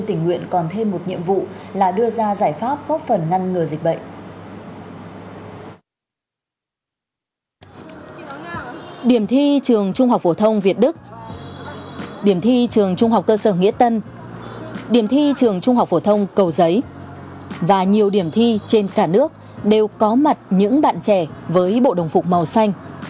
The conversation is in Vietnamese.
điểm thi trường trung học cơ sở nghĩa tân điểm thi trường trung học phổ thông cầu giấy và nhiều điểm thi trên cả nước đều có mặt những bạn trẻ với bộ đồng phục màu xanh